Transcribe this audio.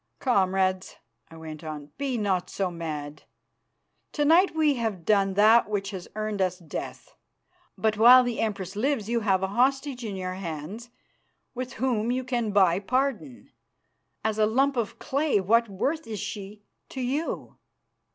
"Comrades," I went on, "be not so mad. To night we have done that which has earned us death, but while the Empress lives you have a hostage in your hands with whom you can buy pardon. As a lump of clay what worth is she to you?